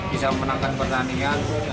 bisa menangkan pertandingan